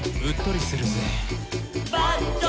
「うっとりするぜ」